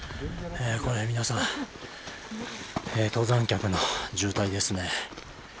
皆さん登山客の渋滞ですね。